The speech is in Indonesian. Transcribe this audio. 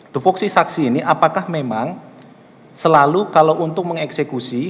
tupoksi saksi ini apakah memang selalu kalau untuk mengeksekusi